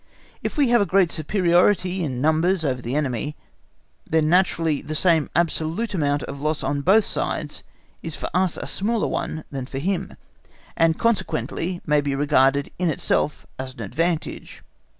If we have a great superiority in numbers over the enemy, then naturally the same absolute amount of loss on both sides is for us a smaller one than for him, and consequently may be regarded in itself as an advantage.